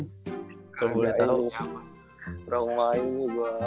trauma ini gue ada mendengar ini ya